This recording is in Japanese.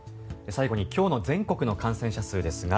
最後に今日の全国の感染者数ですが